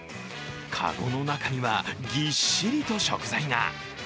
籠の中にはぎっしりと食材が。